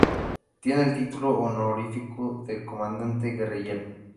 Tiene el título honorífico de Comandante Guerrillero.